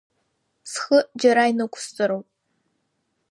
Схы џьара инықәсҵароуп.